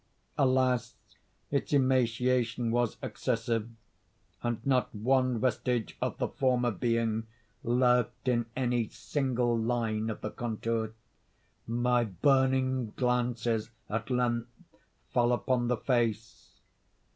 Alas! its emaciation was excessive, and not one vestige of the former being lurked in any single line of the contour. My burning glances at length fell upon the face.